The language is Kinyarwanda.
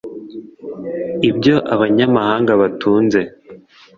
ibyo abanyamahanga batunze